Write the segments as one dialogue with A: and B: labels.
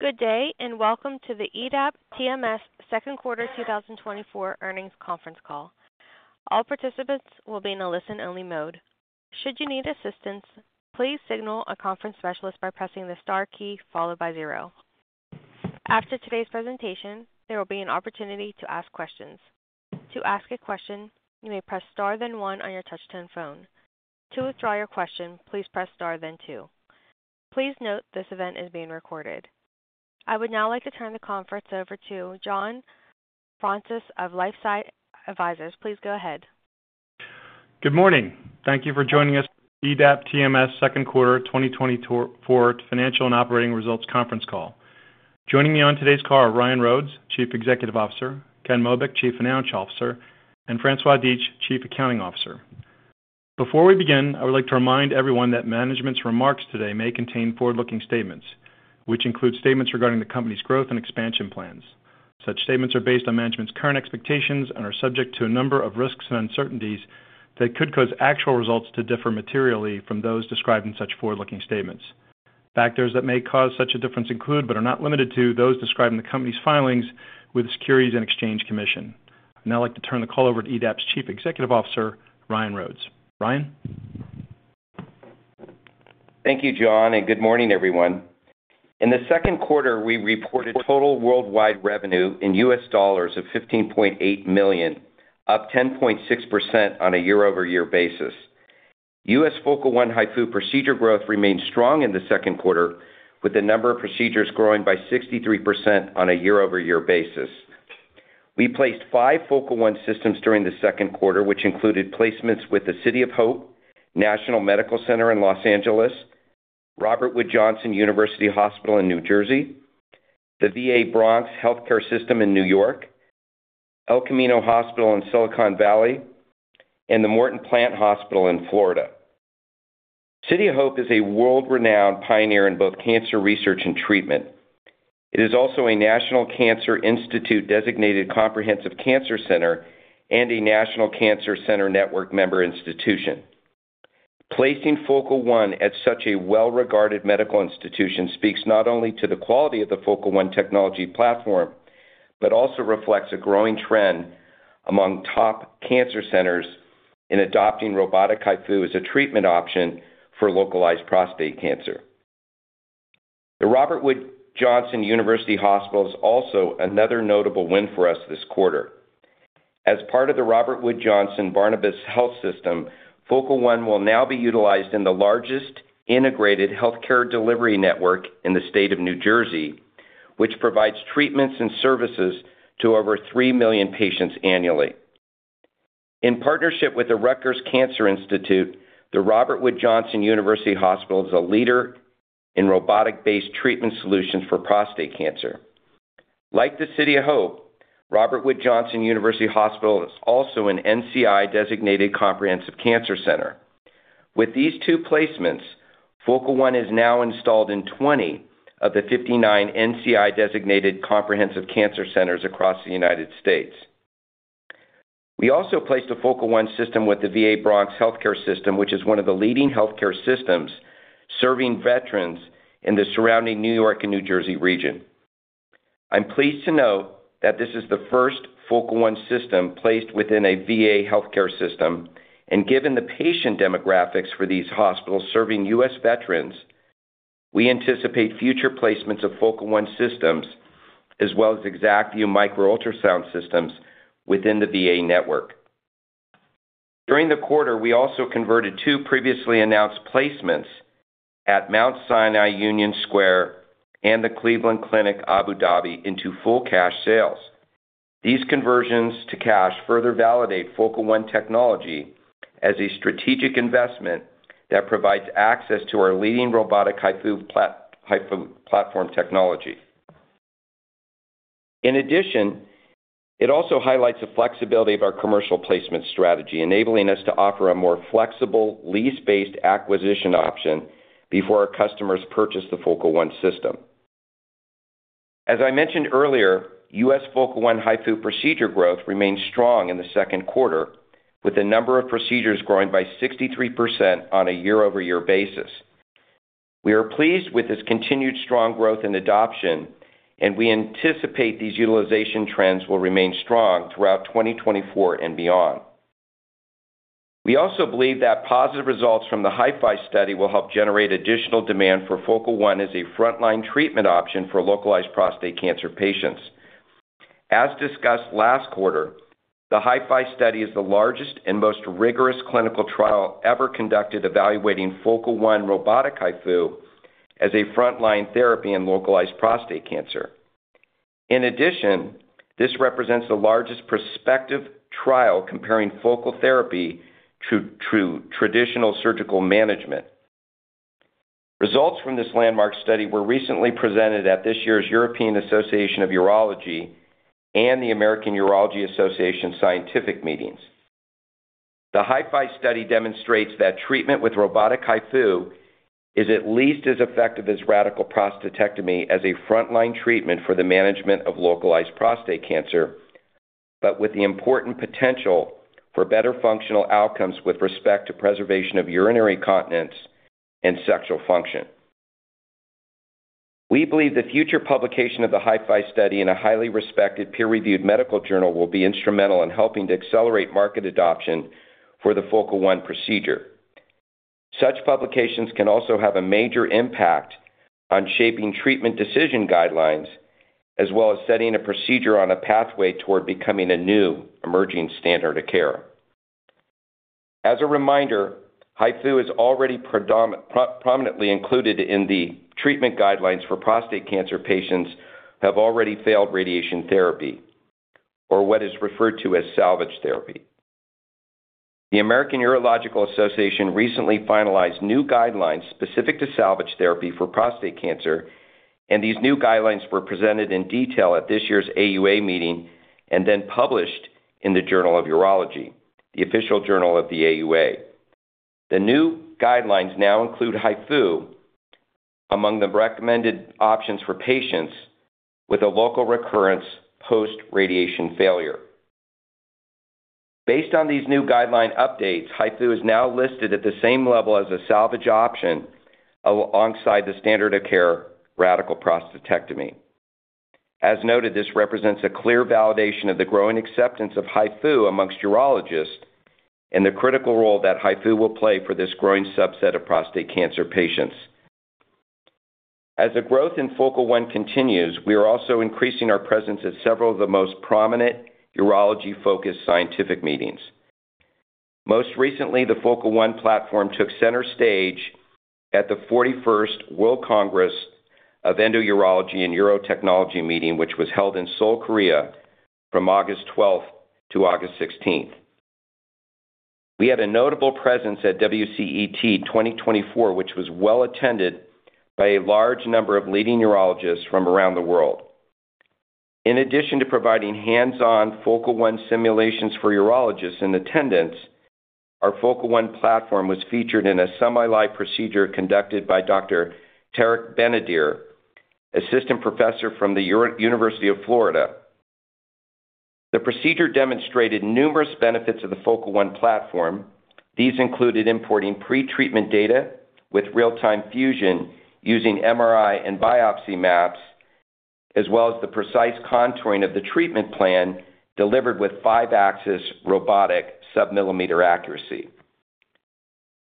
A: Good day, and welcome to the EDAP TMS second quarter 2024 earnings conference call. All participants will be in a listen-only mode. Should you need assistance, please signal a conference specialist by pressing the star key followed by zero. After today's presentation, there will be an opportunity to ask questions. To ask a question, you may press star, then one on your touchtone phone. To withdraw your question, please press star, then two. Please note, this event is being recorded. I would now like to turn the conference over to John Fraunces of LifeSci Advisors. Please go ahead.
B: Good morning. Thank you for joining us, EDAP TMS second quarter twenty twenty-four financial and operating results conference call. Joining me on today's call are Ryan Rhodes, Chief Executive Officer; Ken Mobeck, Chief Financial Officer; and François Dietsch, Chief Accounting Officer. Before we begin, I would like to remind everyone that management's remarks today may contain forward-looking statements, which include statements regarding the company's growth and expansion plans. Such statements are based on management's current expectations and are subject to a number of risks and uncertainties that could cause actual results to differ materially from those described in such forward-looking statements. Factors that may cause such a difference include, but are not limited to, those described in the company's filings with the Securities and Exchange Commission. I'd now like to turn the call over to EDAP's Chief Executive Officer, Ryan Rhodes. Ryan?
C: Thank you, John, and good morning, everyone. In the second quarter, we reported total worldwide revenue in U.S. dollars of $15.8 million, up 10.6% on a year-over-year basis. U.S. Focal One HIFU procedure growth remained strong in the second quarter, with the number of procedures growing by 63% on a year-over-year basis. We placed five Focal One systems during the second quarter, which included placements with the City of Hope National Medical Center in Los Angeles, Robert Wood Johnson University Hospital in New Jersey, the VA Bronx Healthcare System in New York, El Camino Hospital in Silicon Valley, and the Morton Plant Hospital in Florida. City of Hope is a world-renowned pioneer in both cancer research and treatment. It is also a National Cancer Institute-designated comprehensive cancer center and a National Cancer Center Network member institution. Placing Focal One at such a well-regarded medical institution speaks not only to the quality of the Focal One technology platform, but also reflects a growing trend among top cancer centers in adopting robotic HIFU as a treatment option for localized prostate cancer. The Robert Wood Johnson University Hospital is also another notable win for us this quarter. As part of the Robert Wood Johnson Barnabas Health system, Focal One will now be utilized in the largest integrated healthcare delivery network in the state of New Jersey, which provides treatments and services to over 3 million patients annually. In partnership with the Rutgers Cancer Institute, the Robert Wood Johnson University Hospital is a leader in robotic-based treatment solutions for prostate cancer. Like the City of Hope, Robert Wood Johnson University Hospital is also an NCI-designated Comprehensive Cancer Center. With these two placements, Focal One is now installed in 20 of the 59 NCI-designated Comprehensive Cancer Centers across the United States. We also placed a Focal One system with the VA Bronx Healthcare System, which is one of the leading healthcare systems serving veterans in the surrounding New York and New Jersey region. I'm pleased to note that this is the first Focal One system placed within a VA healthcare system, and given the patient demographics for these hospitals serving U.S. veterans, we anticipate future placements of Focal One systems as well as ExactVu micro-ultrasound systems within the VA network. During the quarter, we also converted two previously announced placements at Mount Sinai Union Square and the Cleveland Clinic, Abu Dhabi, into full cash sales. These conversions to cash further validate Focal One technology as a strategic investment that provides access to our leading robotic HIFU HIFU platform technology. In addition, it also highlights the flexibility of our commercial placement strategy, enabling us to offer a more flexible, lease-based acquisition option before our customers purchase the Focal One system. As I mentioned earlier, U.S. Focal One HIFU procedure growth remains strong in the second quarter, with the number of procedures growing by 63% on a year-over-year basis. We are pleased with this continued strong growth and adoption, and we anticipate these utilization trends will remain strong throughout 2024 and beyond. We also believe that positive results from the HIFI study will help generate additional demand for Focal One as a frontline treatment option for localized prostate cancer patients. As discussed last quarter, the HIFI study is the largest and most rigorous clinical trial ever conducted, evaluating Focal One robotic HIFU as a frontline therapy in localized prostate cancer. In addition, this represents the largest prospective trial comparing focal therapy to traditional surgical management. Results from this landmark study were recently presented at this year's European Association of Urology and the American Urological Association scientific meetings. The HIFI study demonstrates that treatment with robotic HIFU is at least as effective as radical prostatectomy as a frontline treatment for the management of localized prostate cancer, but with the important potential for better functional outcomes with respect to preservation of urinary continence and sexual function. We believe the future publication of the HIFI study in a highly respected, peer-reviewed medical journal will be instrumental in helping to accelerate market adoption for the Focal One procedure. Such publications can also have a major impact on shaping treatment decision guidelines, as well as setting a procedure on a pathway toward becoming a new emerging standard of care. As a reminder, HIFU is already prominently included in the treatment guidelines for prostate cancer patients who have already failed radiation therapy, or what is referred to as salvage therapy. The American Urological Association recently finalized new guidelines specific to salvage therapy for prostate cancer, and these new guidelines were presented in detail at this year's AUA meeting and then published in the Journal of Urology, the official journal of the AUA. The new guidelines now include HIFU among the recommended options for patients with a local recurrence post-radiation failure. Based on these new guideline updates, HIFU is now listed at the same level as a salvage option alongside the standard of care, radical prostatectomy. As noted, this represents a clear validation of the growing acceptance of HIFU amongst urologists and the critical role that HIFU will play for this growing subset of prostate cancer patients. As the growth in Focal One continues, we are also increasing our presence at several of the most prominent urology-focused scientific meetings. Most recently, the Focal One platform took center stage at the 41st World Congress of Endourology and Urotechnology meeting, which was held in Seoul, Korea, from August 12th to August 16th. We had a notable presence at WCET 2024, which was well attended by a large number of leading urologists from around the world. In addition to providing hands-on Focal One simulations for urologists in attendance, our Focal One platform was featured in a semi-live procedure conducted by Dr. Tarik Benidir, Assistant Professor from the University of Florida. The procedure demonstrated numerous benefits of the Focal One platform. These included importing pre-treatment data with real-time fusion using MRI and biopsy maps, as well as the precise contouring of the treatment plan delivered with 5-axis robotic sub-millimeter accuracy.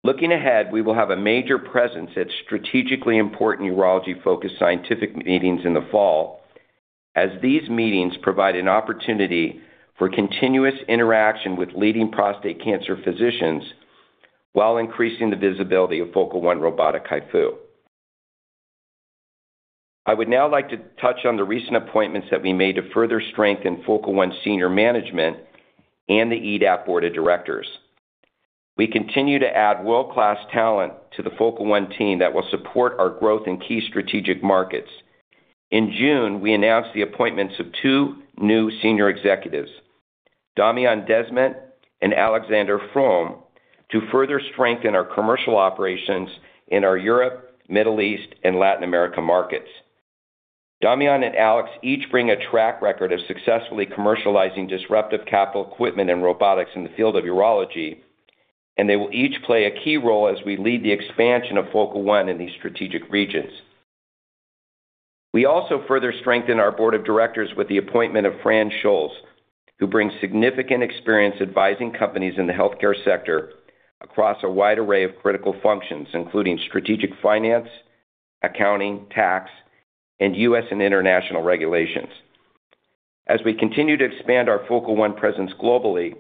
C: Looking ahead, we will have a major presence at strategically important urology-focused scientific meetings in the fall, as these meetings provide an opportunity for continuous interaction with leading prostate cancer physicians while increasing the visibility of Focal One robotic HIFU. I would now like to touch on the recent appointments that we made to further strengthen Focal One senior management and the EDAP board of directors. We continue to add world-class talent to the Focal One team that will support our growth in key strategic markets. In June, we announced the appointments of two new senior executives, Damien Desmedt and Alexander Fromm, to further strengthen our commercial operations in our Europe, Middle East, and Latin America markets. Damien and Alex each bring a track record of successfully commercializing disruptive capital equipment and robotics in the field of urology, and they will each play a key role as we lead the expansion of Focal One in these strategic regions. We also further strengthened our board of directors with the appointment of Fran Scholz, who brings significant experience advising companies in the healthcare sector across a wide array of critical functions, including strategic finance, accounting, tax, and U.S. and international regulations. As we continue to expand our Focal One presence globally,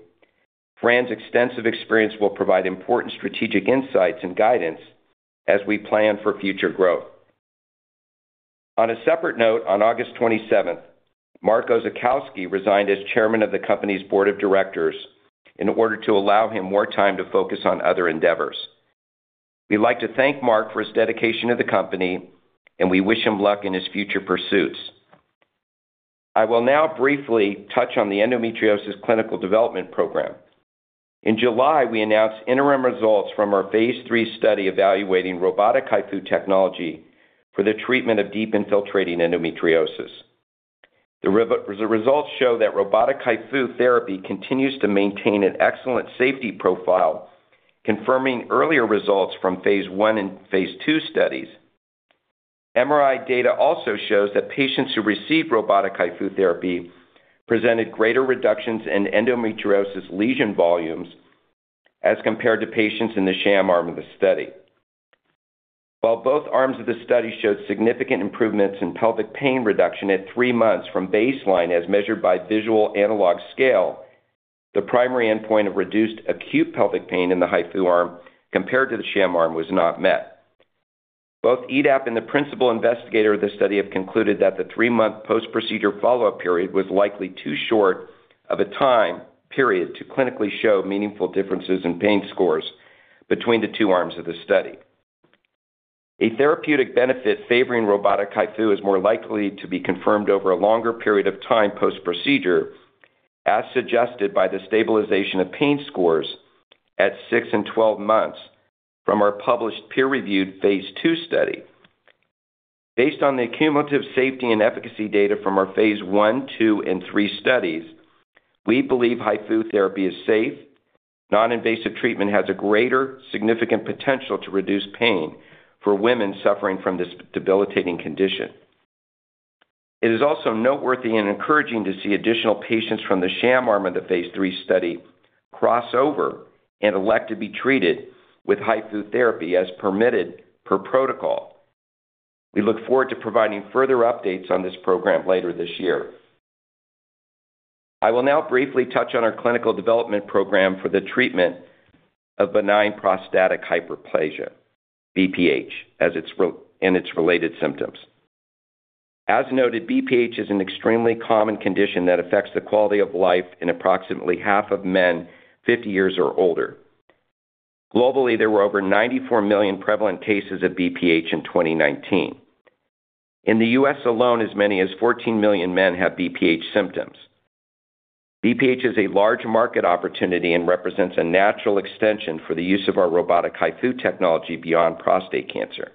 C: Fran's extensive experience will provide important strategic insights and guidance as we plan for future growth. On a separate note, on August 27th, Marc Oczachowski resigned as Chairman of the company's board of directors in order to allow him more time to focus on other endeavors. We'd like to thank Marc for his dedication to the company, and we wish him luck in his future pursuits. I will now briefly touch on the endometriosis clinical development program. In July, we announced interim results from our phase III study evaluating robotic HIFU technology for the treatment of deep infiltrating endometriosis. The results show that robotic HIFU therapy continues to maintain an excellent safety profile, confirming earlier results from phase I and phase II studies. MRI data also shows that patients who received robotic HIFU therapy presented greater reductions in endometriosis lesion volumes as compared to patients in the sham arm of the study. While both arms of the study showed significant improvements in pelvic pain reduction at three months from baseline, as measured by Visual Analog Scale, the primary endpoint of reduced acute pelvic pain in the HIFU arm compared to the sham arm was not met. Both EDAP and the principal investigator of this study have concluded that the three-month post-procedure follow-up period was likely too short of a time period to clinically show meaningful differences in pain scores between the two arms of the study. A therapeutic benefit favoring robotic HIFU is more likely to be confirmed over a longer period of time post-procedure, as suggested by the stabilization of pain scores at six and 12 months from our published peer-reviewed phase II study... Based on the cumulative safety and efficacy data from our phase I, II, and III studies, we believe HIFU therapy is safe. Non-invasive treatment has a greater significant potential to reduce pain for women suffering from this debilitating condition. It is also noteworthy and encouraging to see additional patients from the sham arm of the phase III study cross over and elect to be treated with HIFU therapy as permitted per protocol. We look forward to providing further updates on this program later this year. I will now briefly touch on our clinical development program for the treatment of benign prostatic hyperplasia, BPH, and its related symptoms. As noted, BPH is an extremely common condition that affects the quality of life in approximately half of men 50 years or older. Globally, there were over 94 million prevalent cases of BPH in 2019. In the U.S. alone, as many as 14 million men have BPH symptoms. BPH is a large market opportunity and represents a natural extension for the use of our robotic HIFU technology beyond prostate cancer.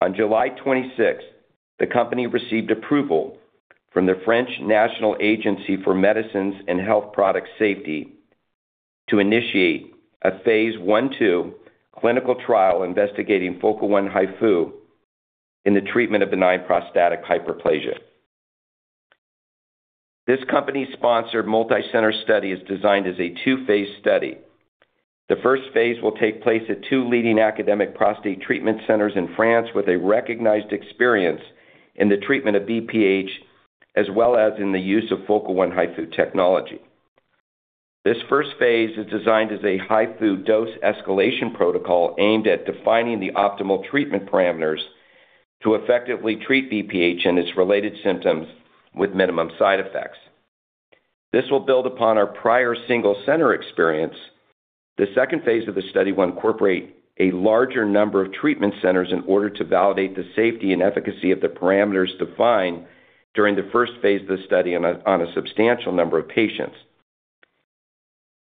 C: On July 26th, the company received approval from the French National Agency for Medicines and Health Product Safety to initiate a phase I/II clinical trial investigating Focal One HIFU in the treatment of benign prostatic hyperplasia. This company-sponsored, multi-center study is designed as a two-phase study. The first phase will take place at two leading academic prostate treatment centers in France, with a recognized experience in the treatment of BPH, as well as in the use of Focal One HIFU technology. This first phase is designed as a HIFU dose escalation protocol aimed at defining the optimal treatment parameters to effectively treat BPH and its related symptoms with minimum side effects. This will build upon our prior single center experience. The second phase of the study will incorporate a larger number of treatment centers in order to validate the safety and efficacy of the parameters defined during the first phase of the study on a substantial number of patients.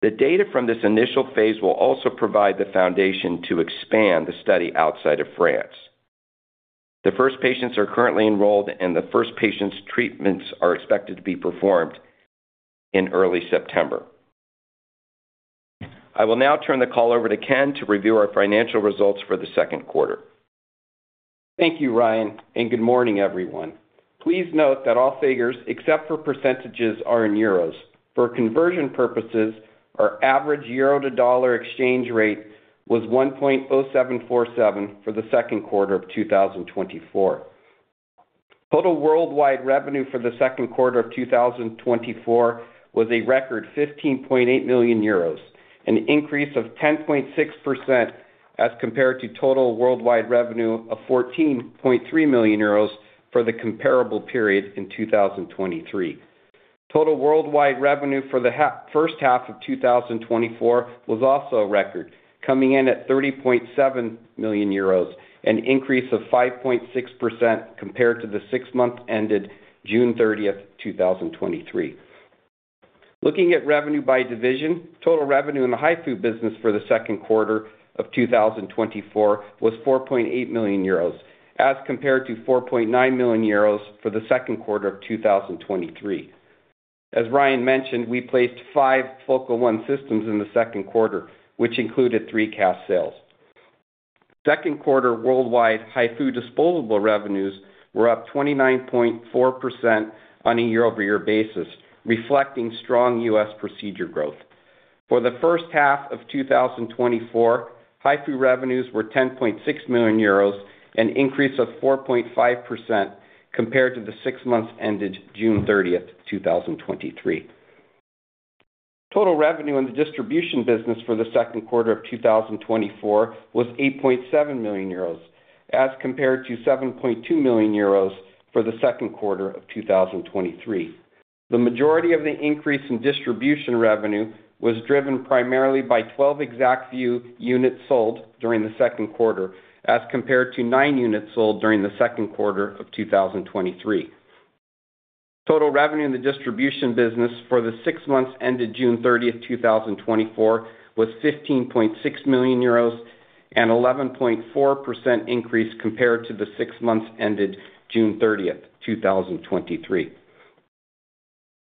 C: The data from this initial phase will also provide the foundation to expand the study outside of France. The first patients are currently enrolled, and the first patients' treatments are expected to be performed in early September. I will now turn the call over to Ken to review our financial results for the second quarter.
D: Thank you, Ryan, and good morning, everyone. Please note that all figures, except for percentages, are in EUR. For conversion purposes, our average euro to dollar exchange rate was 1.0747 for the second quarter of 2024. Total worldwide revenue for the second quarter of 2024 was a record 15.8 million euros, an increase of 10.6% as compared to total worldwide revenue of 14.3 million euros for the comparable period in 2023. Total worldwide revenue for the first half of 2024 was also a record, coming in at 30.7 million euros, an increase of 5.6% compared to the six months ended June 30th, 2023. Looking at revenue by division, total revenue in the HIFU business for the second quarter of 2024 was 4.8 million euros, as compared to 4.9 million euros for the second quarter of 2023. As Ryan mentioned, we placed five Focal One systems in the second quarter, which included three cash sales. Second quarter worldwide HIFU disposable revenues were up 29.4% on a year-over-year basis, reflecting strong U.S. procedure growth. For the first half of 2024, HIFU revenues were 10.6 million euros, an increase of 4.5% compared to the six months ended June 30th, 2023. Total revenue in the distribution business for the second quarter of 2024 was 8.7 million euros, as compared to 7.2 million euros for the second quarter of 2023. The majority of the increase in distribution revenue was driven primarily by 12 ExactVu units sold during the second quarter, as compared to nine units sold during the second quarter of 2023. Total revenue in the distribution business for the six months ended June 30th, 2024, was 15.6 million euros, an 11.4% increase compared to the six months ended June 30th, 2023.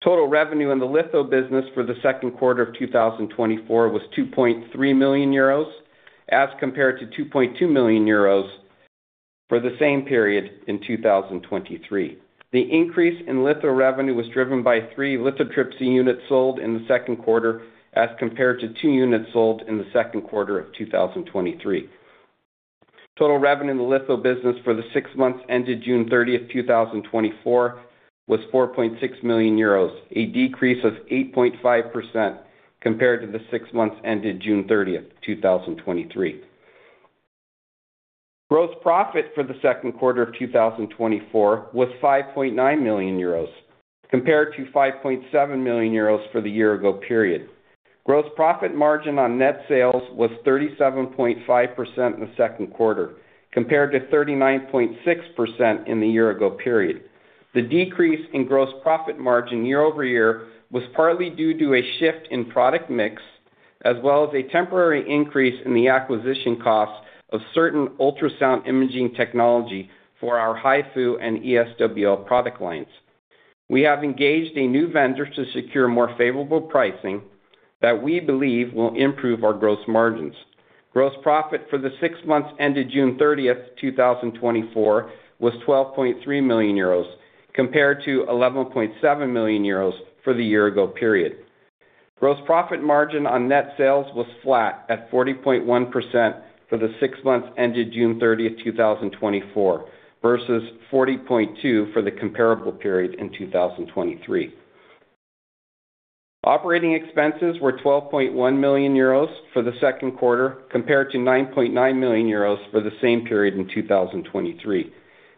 D: Total revenue in the litho business for the second quarter of 2024 was 2.3 million euros, as compared to 2.2 million euros for the same period in 2023. The increase in litho revenue was driven by three lithotripsy units sold in the second quarter, as compared to two units sold in the second quarter of 2023. Total revenue in the litho business for the six months ended June 30, 2024, was 4.6 million euros, a decrease of 8.5% compared to the six months ended June 30th, 2023. Gross profit for the second quarter of 2024 was 5.9 million euros, compared to 5.7 million euros for the year ago period. Gross profit margin on net sales was 37.5% in the second quarter, compared to 39.6% in the year ago period. The decrease in gross profit margin year-over-year was partly due to a shift in product mix, as well as a temporary increase in the acquisition costs of certain ultrasound imaging technology for our HIFU and ESWL product lines. We have engaged a new vendor to secure more favorable pricing that we believe will improve our gross margins. Gross profit for the six months ended June 30th, 2024, was 12.3 million euros, compared to 11.7 million euros for the year ago period. Gross profit margin on net sales was flat at 40.1% for the six months ended June 30th, 2024, versus 40.2% for the comparable period in 2023. Operating expenses were 12.1 million euros for the second quarter, compared to 9.9 million euros for the same period in 2023.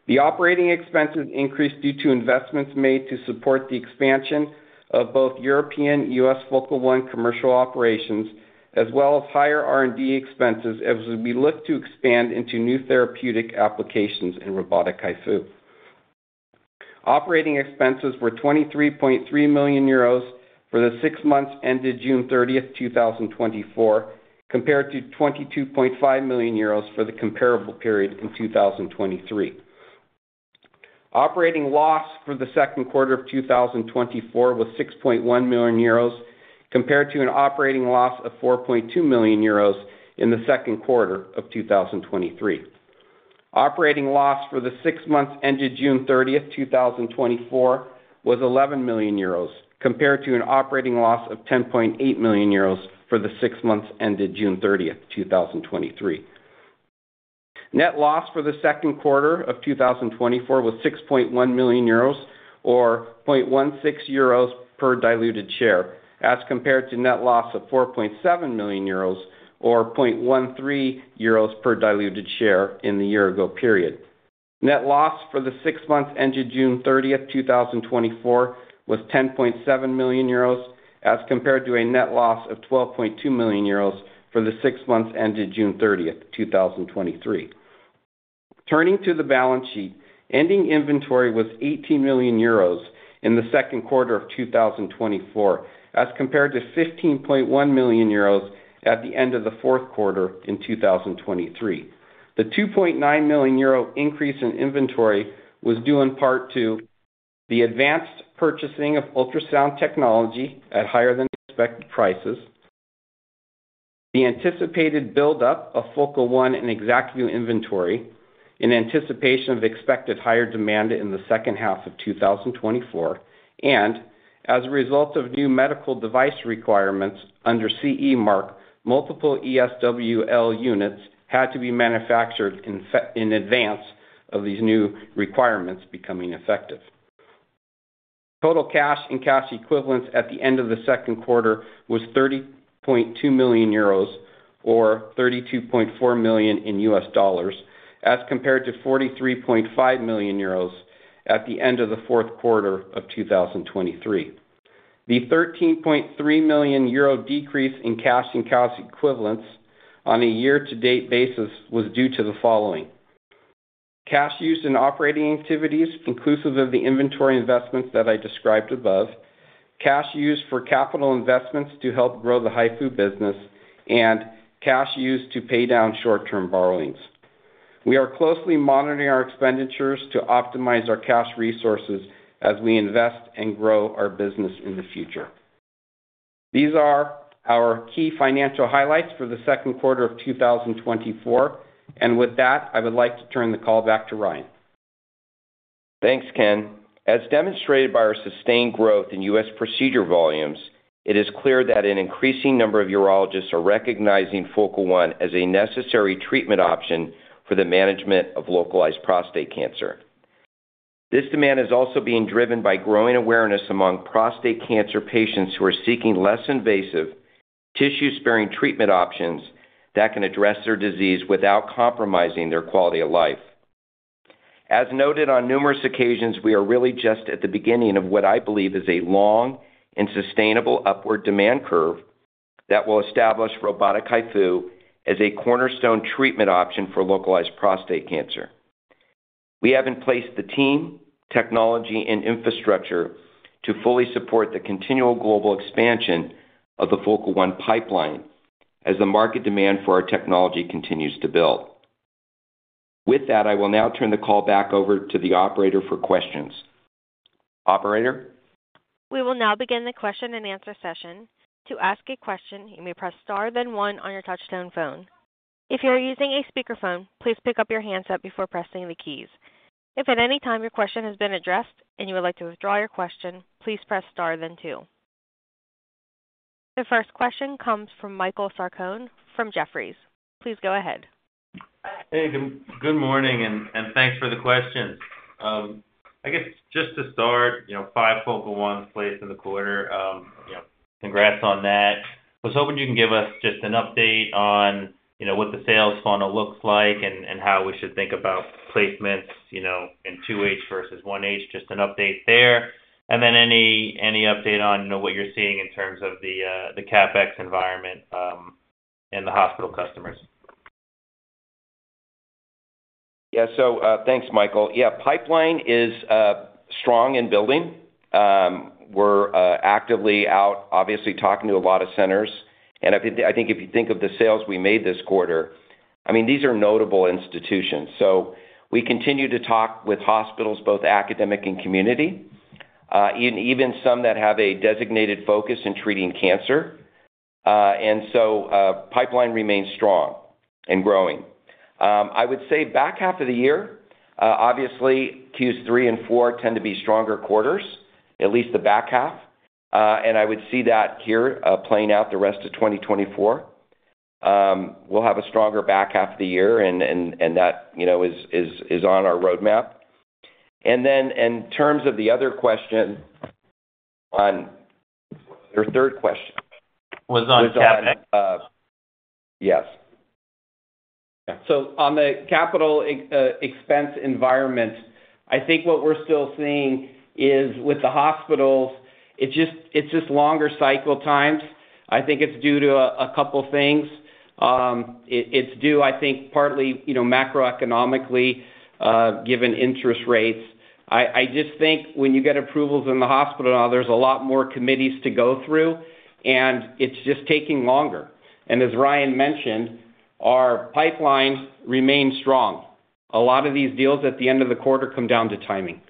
D: The operating expenses increased due to investments made to support the expansion of both European and U.S. Focal One commercial operations, as well as higher R&D expenses as we look to expand into new therapeutic applications in robotic HIFU. Operating expenses were 23.3 million euros for the six months ended June 30th, 2024, compared to 22.5 million euros for the comparable period in 2023. Operating loss for the second quarter of 2024 was 6.1 million euros, compared to an operating loss of 4.2 million euros in the second quarter of 2023. Operating loss for the six months ended June 30th, 2024, was 11 million euros, compared to an operating loss of 10.8 million euros for the six months ended June 30th, 2023. Net loss for the second quarter of 2024 was 6.1 million euros or 0.16 euros per diluted share, as compared to net loss of 4.7 million euros or 0.13 euros per diluted share in the year ago period. Net loss for the six months ended June 30th, 2024, was 10.7 million euros, as compared to a net loss of 12.2 million euros for the six months ended June 30th, 2023. Turning to the balance sheet. Ending inventory was 18 million euros in the second quarter of 2024, as compared to 15.1 million euros at the end of the fourth quarter in 2023. The 2.9 million euro increase in inventory was due in part to the advanced purchasing of ultrasound technology at higher than expected prices, the anticipated buildup of Focal One and ExactVu inventory in anticipation of expected higher demand in the second half of 2024, and as a result of new medical device requirements under CE Mark, multiple ESWL units had to be manufactured in advance of these new requirements becoming effective. Total cash and cash equivalents at the end of the second quarter was 30.2 million euros, or $32.4 million in U.S. dollars, as compared to 43.5 million euros at the end of the fourth quarter of 2023. The 13.3 million euro decrease in cash and cash equivalents on a year-to-date basis was due to the following: Cash used in operating activities, inclusive of the inventory investments that I described above, cash used for capital investments to help grow the HIFU business, and cash used to pay down short-term borrowings. We are closely monitoring our expenditures to optimize our cash resources as we invest and grow our business in the future. These are our key financial highlights for the second quarter of 2024, and with that, I would like to turn the call back to Ryan.
C: Thanks, Ken. As demonstrated by our sustained growth in U.S. procedure volumes, it is clear that an increasing number of urologists are recognizing Focal One as a necessary treatment option for the management of localized prostate cancer. This demand is also being driven by growing awareness among prostate cancer patients who are seeking less invasive, tissue-sparing treatment options that can address their disease without compromising their quality of life. As noted on numerous occasions, we are really just at the beginning of what I believe is a long and sustainable upward demand curve that will establish robotic HIFU as a cornerstone treatment option for localized prostate cancer. We have in place the team, technology, and infrastructure to fully support the continual global expansion of the Focal One pipeline as the market demand for our technology continues to build. With that, I will now turn the call back over to the operator for questions. Operator?
A: We will now begin the question-and-answer session. To ask a question, you may press star, then one on your touchtone phone. If you are using a speakerphone, please pick up your handset before pressing the keys. If at any time your question has been addressed and you would like to withdraw your question, please press star then two. The first question comes from Michael Sarcone from Jefferies. Please go ahead.
E: Hey, good morning, and thanks for the questions. I guess just to start, you know, five Focal One placed in the quarter, you know, congrats on that. I was hoping you can give us just an update on, you know, what the sales funnel looks like and how we should think about placements, you know, in 2H versus 1H, just an update there. And then any update on, you know, what you're seeing in terms of the CapEx environment and the hospital customers?
C: Yeah, so, thanks, Michael. Yeah, pipeline is strong in building. We're actively out, obviously, talking to a lot of centers. And I think if you think of the sales we made this quarter, I mean, these are notable institutions. So we continue to talk with hospitals, both academic and community, and even some that have a designated focus in treating cancer. And so, pipeline remains strong and growing. I would say back half of the year, obviously, Q3 and 4 tend to be stronger quarters, at least the back half. And I would see that here, playing out the rest of2024. We'll have a stronger back half of the year, and that, you know, is on our roadmap. And then in terms of the other question, on your third question.
E: Was on capital.
C: Yes. Yeah.
D: So on the capital expense environment, I think what we're still seeing is with the hospitals, it's just longer cycle times. I think it's due to a couple things. It's due, I think, partly, you know, macroeconomically, given interest rates. I just think when you get approvals in the hospital, there's a lot more committees to go through, and it's just taking longer, and as Ryan mentioned, our pipeline remains strong. A lot of these deals at the end of the quarter come down to timing.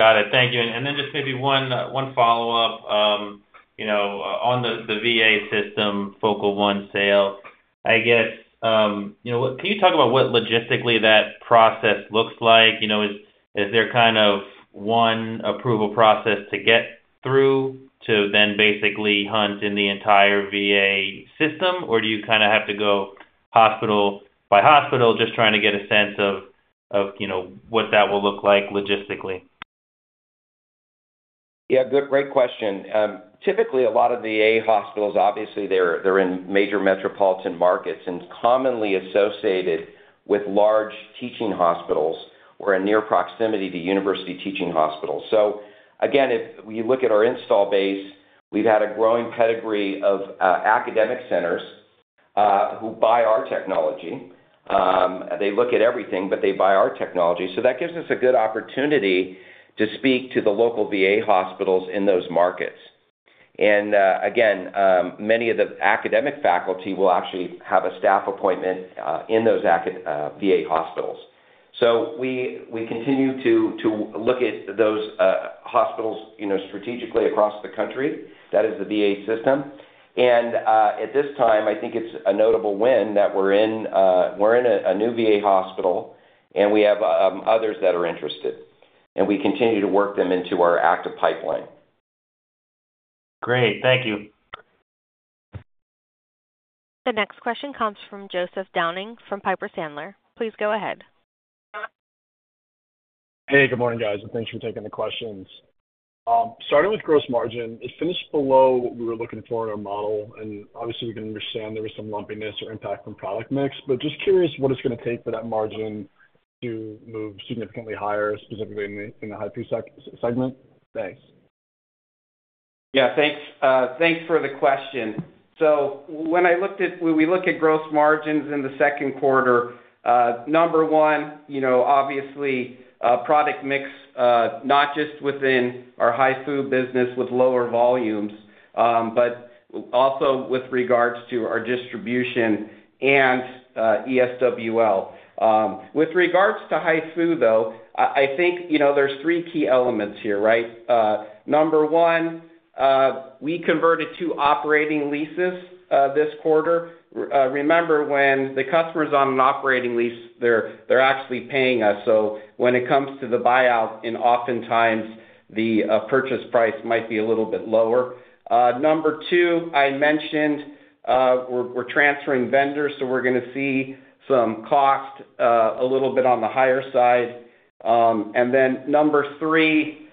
E: Got it. Thank you. And then just maybe one follow-up, you know, on the VA system, Focal One sale. I guess, you know, what can you talk about what logistically that process looks like? You know, is there kind of one approval process to get through to then basically hunt in the entire VA system, or do you kinda have to go hospital by hospital? Just trying to get a sense of, you know, what that will look like logistically.
C: Yeah, good, great question. Typically, a lot of the VA hospitals, obviously, they're in major metropolitan markets and commonly associated with large teaching hospitals or in near proximity to university teaching hospitals. So again, if you look at our install base, we've had a growing pedigree of academic centers who buy our technology. They look at everything, but they buy our technology. So that gives us a good opportunity to speak to the local VA hospitals in those markets. And again, many of the academic faculty will actually have a staff appointment in those VA hospitals. So we continue to look at those hospitals, you know, strategically across the country. That is the VA system. At this time, I think it's a notable win that we're in a new VA hospital, and we have others that are interested, and we continue to work them into our active pipeline.
E: Great. Thank you.
A: The next question comes from Joseph Downing from Piper Sandler. Please go ahead.
F: Hey, good morning, guys, and thanks for taking the questions. Starting with gross margin, it finished below what we were looking for in our model, and obviously, we can understand there was some lumpiness or impact from product mix. But just curious what it's gonna take for that margin to move significantly higher, specifically in the HIFU segment. Thanks.
D: Yeah, thanks, thanks for the question. So when we look at gross margins in the second quarter, number one, you know, obviously, product mix, not just within our HIFU business with lower volumes, but also with regards to our distribution and ESWL. With regards to HIFU, though, I think, you know, there's three key elements here, right? Number one, we converted to operating leases this quarter. Remember, when the customer's on an operating lease, they're actually paying us. So when it comes to the buyout, and oftentimes, the purchase price might be a little bit lower. Number two, I mentioned, we're transferring vendors, so we're gonna see some cost a little bit on the higher side. And then number three,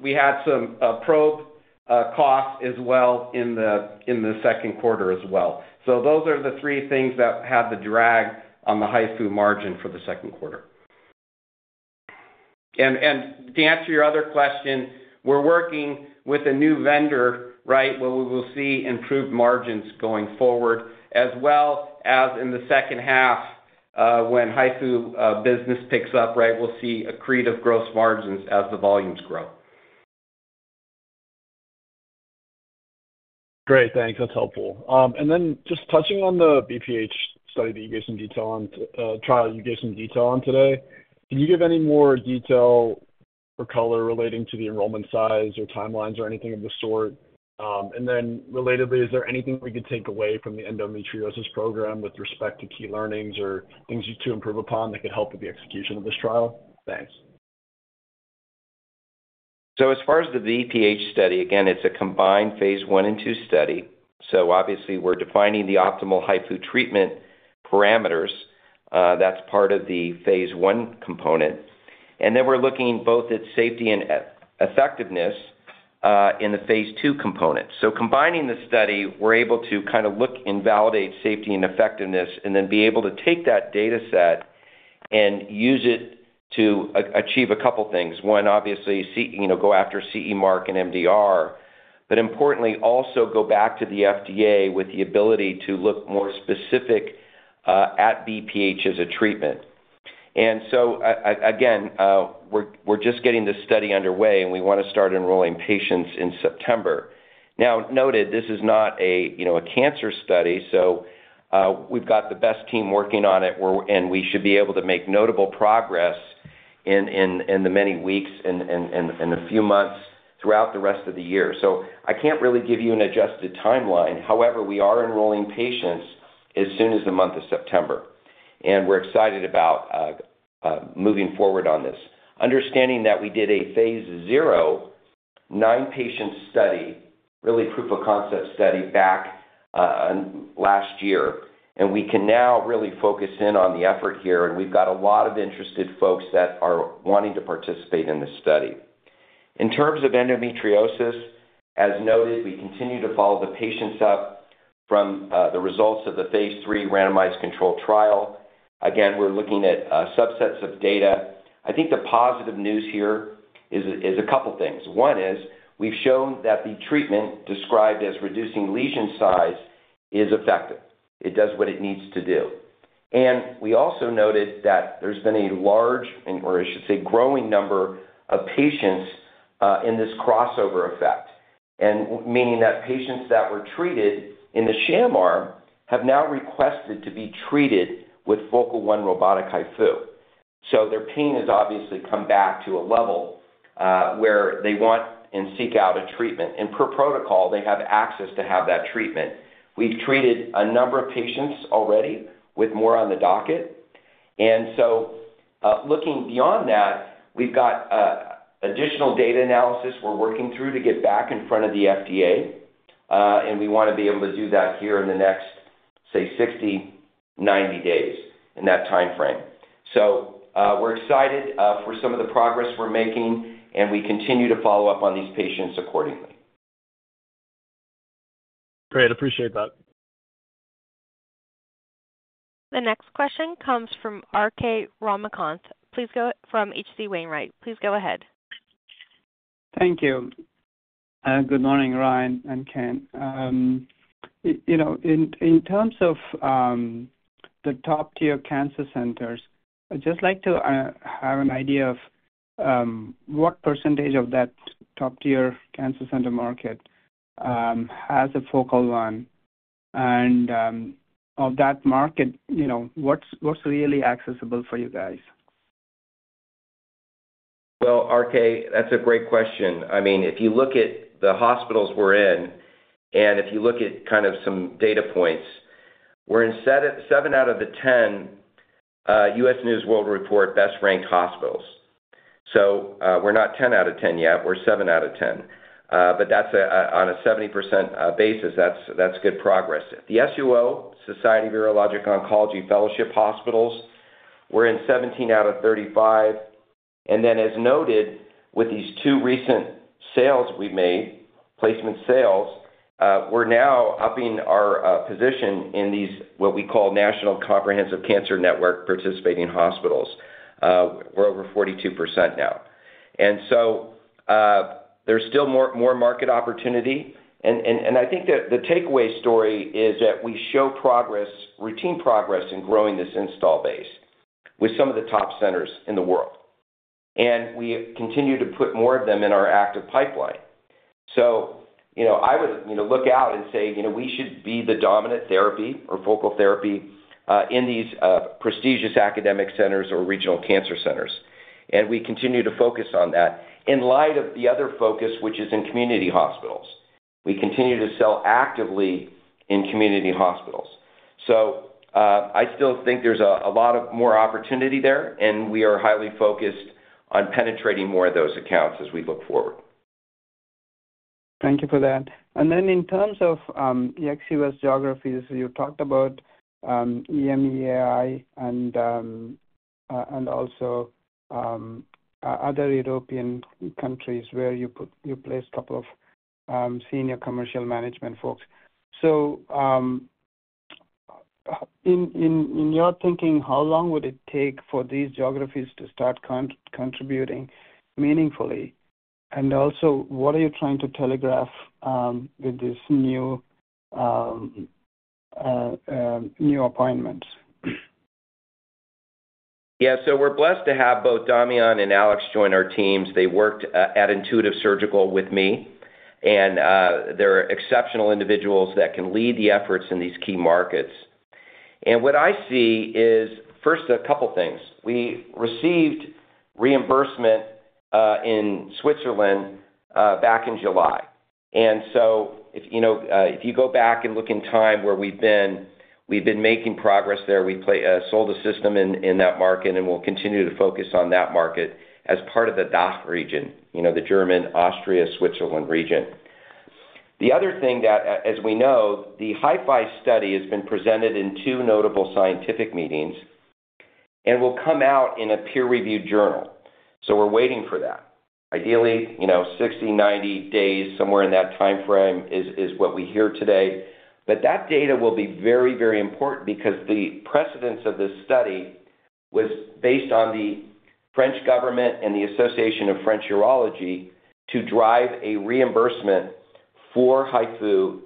D: we had some probe costs as well in the second quarter as well. So those are the three things that had the drag on the HIFU margin for the second quarter. And to answer your other question, we're working with a new vendor, right, where we will see improved margins going forward, as well as in the second half, when HIFU business picks up, right, we'll see accretive gross margins as the volumes grow.
F: Great, thanks. That's helpful. And then just touching on the BPH study that you gave some detail on, trial you gave some detail on today. Can you give any more detail or color relating to the enrollment size or timelines or anything of the sort? And then relatedly, is there anything we could take away from the endometriosis program with respect to key learnings or things to improve upon that could help with the execution of this trial? Thanks.
C: As far as the BPH study, again, it's a combined phase I and II study, so obviously we're defining the optimal HIFU treatment parameters. That's part of the phase I component. And then we're looking both at safety and at effectiveness in the phase II component. So combining the study, we're able to kind of look and validate safety and effectiveness, and then be able to take that data set and use it to achieve a couple things. One, obviously, CE, you know, go after CE Mark and MDR, but importantly, also go back to the FDA with the ability to look more specific at BPH as a treatment. And so again, we're just getting this study underway, and we want to start enrolling patients in September. Now, noted, this is not a, you know, a cancer study, so we've got the best team working on it, and we should be able to make notable progress in the many weeks and a few months throughout the rest of the year. So I can't really give you an adjusted timeline. However, we are enrolling patients as soon as the month of September, and we're excited about moving forward on this. Understanding that we did a phase 0, nine-patient study, really proof of concept study back last year, and we can now really focus in on the effort here, and we've got a lot of interested folks that are wanting to participate in this study. In terms of endometriosis, as noted, we continue to follow the patients up from the results of the phase three randomized control trial. Again, we're looking at subsets of data. I think the positive news here is a couple things. One is we've shown that the treatment described as reducing lesion size is effective. It does what it needs to do, and we also noted that there's been a large, or I should say, growing number of patients in this crossover effect, and meaning that patients that were treated in the sham arm have now requested to be treated with Focal One robotic HIFU. So their pain has obviously come back to a level where they want and seek out a treatment, and per protocol, they have access to have that treatment. We've treated a number of patients already, with more on the docket. And so, looking beyond that, we've got additional data analysis we're working through to get back in front of the FDA, and we want to be able to do that here in the next, say, 60, 90 days, in that timeframe. So, we're excited for some of the progress we're making, and we continue to follow up on these patients accordingly.
F: Great. Appreciate that.
A: The next question comes from R.K. Ramakant from H.C. Wainwright. Please go ahead.
G: Thank you and good morning, Ryan and Ken. You know, in terms of the top-tier cancer centers, I'd just like to have an idea of what percentage of that top-tier cancer center market has a Focal One, and of that market, you know, what's really accessible for you guys?
C: Well, R.K., that's a great question. I mean, if you look at the hospitals we're in, and if you look at kind of some data points, we're in seven, seven out of the 10 U.S. News & World Report best-ranked hospitals. So, we're not 10 out of 10 yet, we're seven out of 10. But that's a on a 70% basis, that's good progress. The SUO, Society of Urologic Oncology fellowship hospitals, we're in 17 out of 35. And then, as noted, with these two recent sales we made, placement sales, we're now upping our position in these, what we call National Comprehensive Cancer Network participating hospitals. We're over 42% now. And so, there's still more market opportunity. I think the takeaway story is that we show progress, routine progress in growing this install base with some of the top centers in the world, and we have continued to put more of them in our active pipeline. So you know, I would, you know, look out and say, you know, we should be the dominant therapy or focal therapy in these prestigious academic centers or regional cancer centers, and we continue to focus on that in light of the other focus, which is in community hospitals. We continue to sell actively in community hospitals. So I still think there's a lot more opportunity there, and we are highly focused on penetrating more of those accounts as we look forward.
G: Thank you for that. And then in terms of ex-U.S. geographies, you talked about EMEAI and also other European countries where you placed a couple of senior commercial management folks. So in your thinking, how long would it take for these geographies to start contributing meaningfully? And also, what are you trying to telegraph with these new appointments?
C: Yeah, so we're blessed to have both Damien and Alex join our teams. They worked at Intuitive Surgical with me, and they're exceptional individuals that can lead the efforts in these key markets. And what I see is, first, a couple things. We received reimbursement in Switzerland back in July. And so, you know, if you go back and look in time where we've been, we've been making progress there. We sold a system in that market, and we'll continue to focus on that market as part of the DACH region, you know, the German, Austria, Switzerland region. The other thing that as we know, the HIFI study has been presented in two notable scientific meetings and will come out in a peer-reviewed journal. So we're waiting for that. Ideally, you know, 60, 90 days, somewhere in that timeframe is what we hear today. But that data will be very, very important because the precedent of this study was based on the French government and the Association of French Urology to drive a reimbursement for HIFU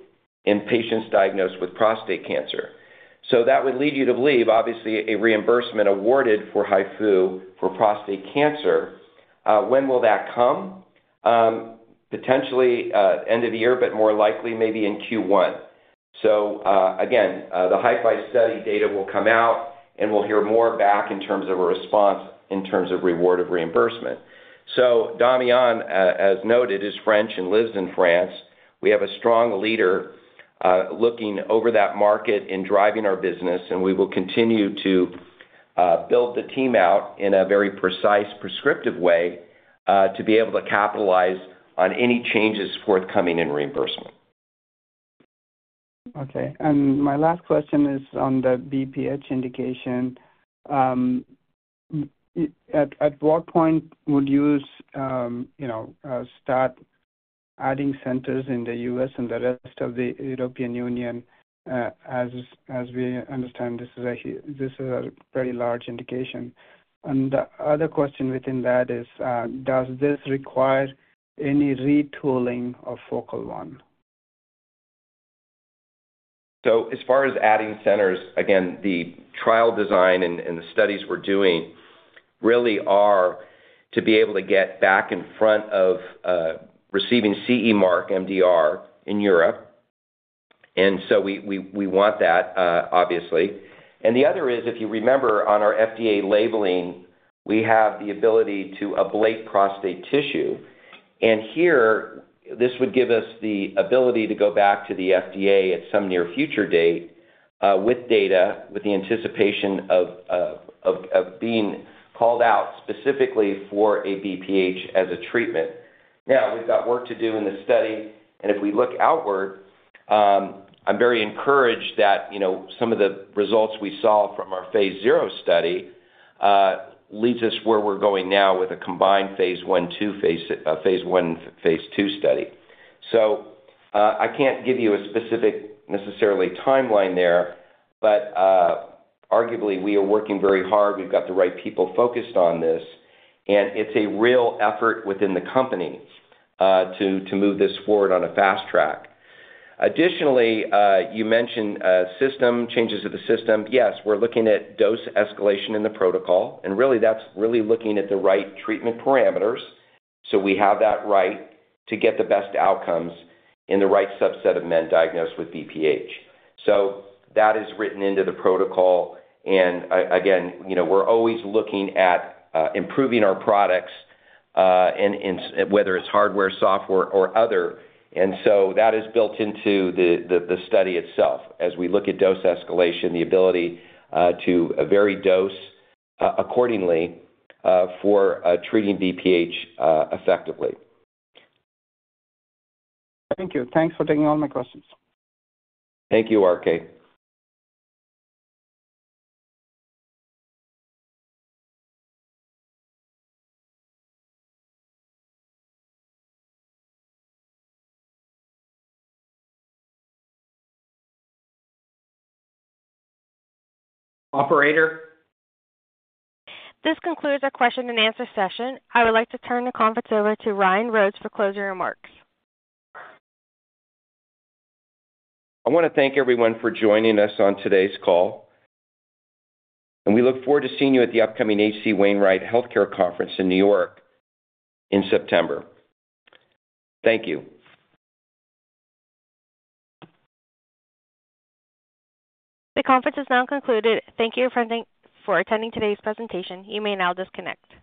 C: in patients diagnosed with prostate cancer. So that would lead you to believe, obviously, a reimbursement awarded for HIFU for prostate cancer. When will that come? Potentially, end of the year, but more likely maybe in Q1. So, again, the HIFI study data will come out, and we'll hear more back in terms of a response, in terms of award of reimbursement. So Damien, as noted, is French and lives in France. We have a strong leader, looking over that market and driving our business, and we will continue to build the team out in a very precise, prescriptive way, to be able to capitalize on any changes forthcoming in reimbursement.
G: Okay. And my last question is on the BPH indication. At what point would you, you know, start adding centers in the US and the rest of the European Union? As we understand, this is a very large indication. And the other question within that is, does this require any retooling of Focal One?
C: So as far as adding centers, again, the trial design and the studies we're doing really are to be able to get back in front of receiving CE Mark MDR in Europe. And so we want that, obviously. And the other is, if you remember on our FDA labeling, we have the ability to ablate prostate tissue, and here, this would give us the ability to go back to the FDA at some near future date with data, with the anticipation of being called out specifically for a BPH as a treatment. Now, we've got work to do in this study, and if we look outward, I'm very encouraged that, you know, some of the results we saw from our phase 0 study leads us where we're going now with a combined phase I/II phase. Phase I, phase II study. So, I can't give you a specific, necessarily timeline there, but, arguably, we are working very hard. We've got the right people focused on this, and it's a real effort within the company, to move this forward on a fast track. Additionally, you mentioned a system, changes to the system. Yes, we're looking at dose escalation in the protocol, and really, that's looking at the right treatment parameters, so we have that right to get the best outcomes in the right subset of men diagnosed with BPH. So that is written into the protocol, and again, you know, we're always looking at improving our products, and whether it's hardware, software, or other. That is built into the study itself as we look at dose escalation, the ability to vary dose accordingly for treating BPH effectively.
G: Thank you. Thanks for taking all my questions.
C: Thank you, R.K. Operator?
A: This concludes our question and answer session. I would like to turn the conference over to Ryan Rhodes for closing remarks.
C: I want to thank everyone for joining us on today's call, and we look forward to seeing you at the upcoming H.C. Wainwright Health Care Conference in New York in September. Thank you.
A: The conference is now concluded. Thank you for attending today's presentation. You may now disconnect.